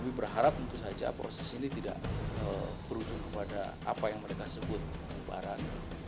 kami berharap tentu saja proses ini tidak berujung kepada apa yang mereka sebut pembubaran